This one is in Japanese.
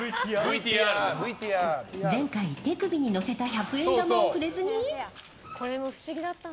前回、手首に乗せた百円玉を触れずに。